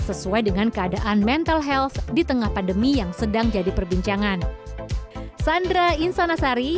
sesuai dengan keadaan mental health di tengah pandemi yang sedang jadi perbincangan